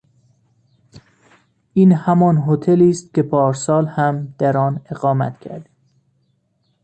این همان هتلی است که پارسال هم در آن اقامت کردیم.